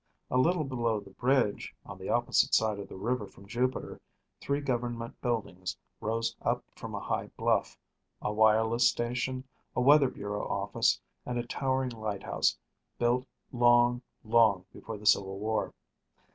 A little below the bridge, on the opposite side of the river from Jupiter, three government buildings rose up from a high bluff a wireless station, a weather bureau office, and a towering lighthouse, built long, long before the civil war.